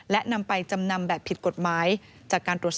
และนำไปจำนำแบบผิดกฎหมายจากการตรวจสอบ